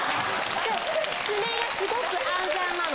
爪がすごく安全なの。